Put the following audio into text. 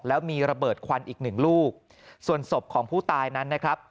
แล้วมีระเบิดควันอีกหนึ่งลูกส่วนศพของผู้ตายนั้นนะครับ